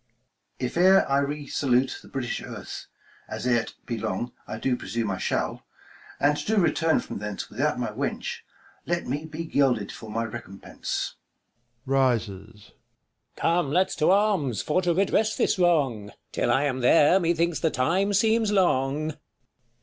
If ere I resalute the British earth, 94 KING LEIR AND [Acr V (As, ere't be long, I do presume I shall) And do return from thence without my wench, Let me be gelded for my recompense. [Rises. /* King. Come, let's to arms for to redress this wrong : 260 jTill I am there, methinks the time seems long.